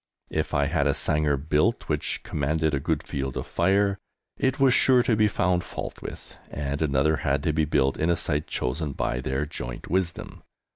If I had a sangar built which commanded a good field of fire, it was sure to be found fault with, and another had to be built in a site chosen by their joint wisdom.